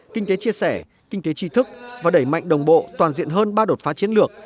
kinh tế chia sẻ kinh tế tri thức và đẩy mạnh đồng bộ toàn diện hơn ba đột phá chiến lược